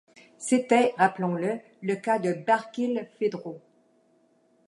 C’était, rappelons-le, le cas de Barkilphedro.